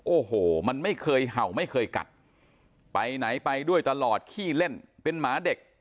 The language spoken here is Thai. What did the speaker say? โอ้โหมันไม่เคยเห่าไม่เคยกัดไปไหนไปด้วยตลอดขี้เล่นเป็นหมาเด็ก